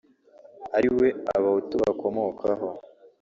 ariwe Abahutu bakomokaho